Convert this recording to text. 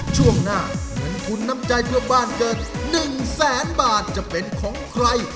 ช่วงหน้าเงินทุนน้ำใจเพื่อบ้านเกิด๑แสนบาทจะเป็นของใคร